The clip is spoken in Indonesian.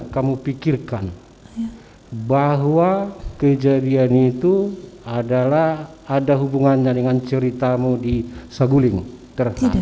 saya tidak pikirkan bahwa kejadian itu adalah ada hubungannya dengan ceritamu di saguling terhadap